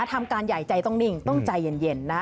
ทำการใหญ่ใจต้องนิ่งต้องใจเย็นนะ